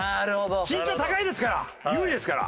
身長高いですから有利ですから。